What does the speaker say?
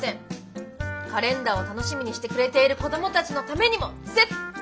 カレンダーを楽しみにしてくれている子どもたちのためにも絶対！